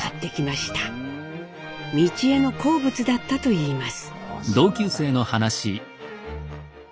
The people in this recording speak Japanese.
美智榮の好物だったといいます。